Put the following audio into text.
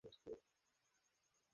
তোমার হয়ে আমিই নিচ্ছি।